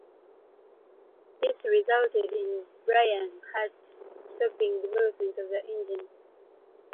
This resulted in Brian Hart stopping development of the engine.